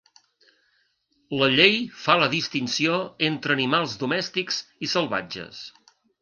La llei fa la distinció entre animals domèstics i salvatges.